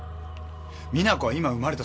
実那子は今生まれた！